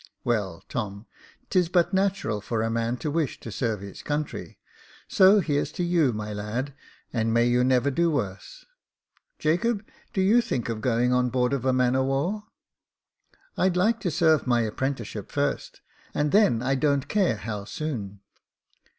*' Well, Tom, 'tis but natural for a man to wish to serve his country ; so here's to you, my lad, and may you never do worse ! Jacob, do you think of going on board of a man of war ?"" I'd like to serve my apprenticeship first, and then I don't care how soon."